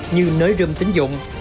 như nới râm tính dụng